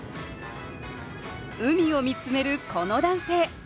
海を見つめるこの男性